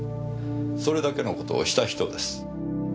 それだけの事をした人です。